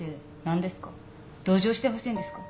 同情してほしいんですか？